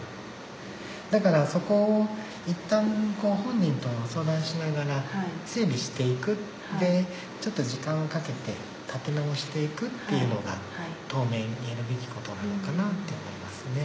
だからそこをいったん本人と相談しながら整備して行く。でちょっと時間をかけて立て直して行くっていうのが当面やるべきことなのかなって思いますね。